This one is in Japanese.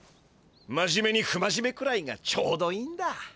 まじめにふまじめくらいがちょうどいいんだ。